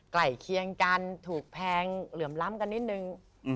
เคียงกันถูกแพงเหลื่อมล้ำกันนิดนึง